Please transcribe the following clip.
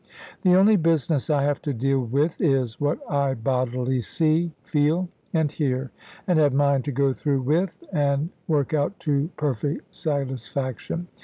The only business I have to deal with is what I bodily see, feel, and hear, and have mind to go through with, and work out to perfect satisfaction.